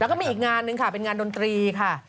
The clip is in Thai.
แล้วก็มีอีกงานนึงค่ะเป็นงานดนตรีค่ะ